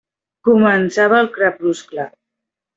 Començava el crepuscle.